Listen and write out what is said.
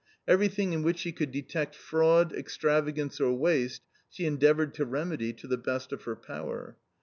Everything in which she could detect fraud, extravagance, or waste she endeavoured to remedy to the best of her power.